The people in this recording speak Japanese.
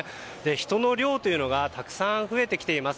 人の量というのがたくさん増えてきています。